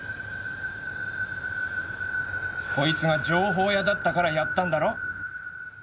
こいつが情報屋だったからやったんだろ？